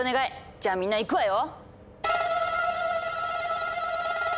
じゃあみんないくわよ！